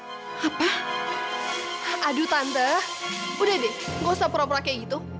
aduh tante udah deh nggak usah pura pura kayak gitu